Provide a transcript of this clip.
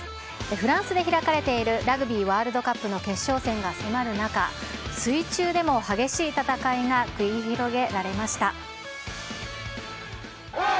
フランスで開かれているラグビーワールドカップの決勝戦が迫る中、水中でも激しい戦いが繰り広げられました。